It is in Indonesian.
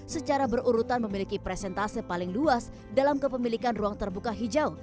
secara berurutan memiliki presentase paling luas dalam kepemilikan ruang terbuka hijau